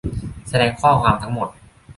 แสดงข้อความทั้งหมด